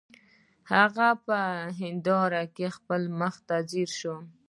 هغه په هنداره کې خپل مخ ته ځیر شو